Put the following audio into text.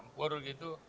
mau campur gitu